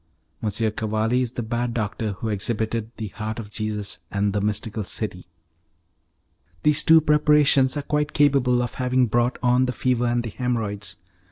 M. Cavalli is the bad doctor who exhibited 'The Heart of Jesus,' and 'The Mystical City.'" "Those two preparations are quite capable of having brought on the fever and the haemorrhoids.